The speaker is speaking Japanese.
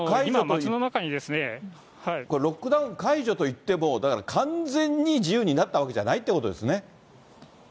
ロックダウン解除といっても、だから、完全に自由になったわけじゃないということですね。